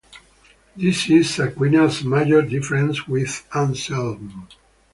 This is Aquinas' major difference with Anselm.